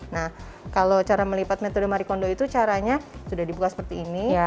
nah kalau cara melipat metode mari condo itu caranya sudah dibuka seperti ini